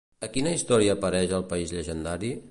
A quina història apareix el país llegendari?